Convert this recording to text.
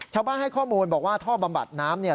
ชาวบ้านให้ข้อมูลบอกว่าท่อบำบัดน้ำเนี่ย